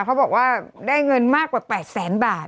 เขาบอกว่าได้เงินมากกว่า๘แสนบาท